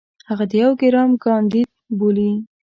هغه د يو پروګرام کانديد بولي.